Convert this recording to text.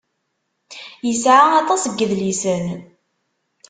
Yesεa aṭas n yedlisen.